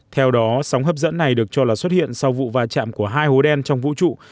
theo đó sóng hấp dẫn này được cho là xuất hiện sau vụ va chạm của hai hố đen trong vũ trụ